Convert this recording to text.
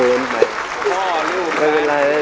เพลงนี้อยู่ในอาราบัมชุดแรกของคุณแจ็คเลยนะครับ